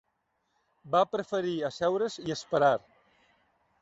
Va preferir asseure's i esperar.